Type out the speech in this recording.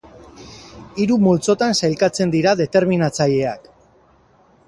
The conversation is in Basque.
Hiru multzotan sailkatzen dira determinatzaileak.